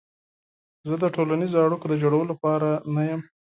زه د ټولنیزو اړیکو د جوړولو لپاره نه یم.